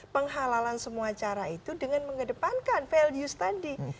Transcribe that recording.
penghalalan semua cara itu dengan mengedepankan values tadi